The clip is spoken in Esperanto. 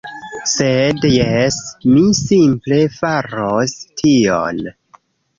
Sed... jes, mi simple faros tion.